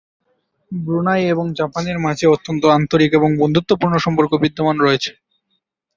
Brunei এবং জাপানের মাঝে অত্যন্ত আন্তরিক এবং বন্ধুত্বপূর্ণ সম্পর্ক বিদ্যমান রয়েছে।